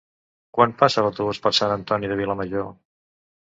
Quan passa l'autobús per Sant Antoni de Vilamajor?